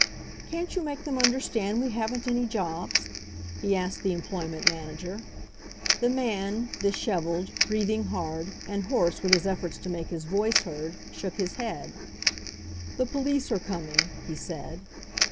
"Can't you make them understand we haven't any jobs?" he asked the employment manager. The man, disheveled, breathing hard, and hoarse with his efforts to make his voice heard, shook his head. The police are coming," he said.